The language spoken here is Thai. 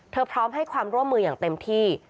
พร้อมให้ความร่วมมืออย่างเต็มที่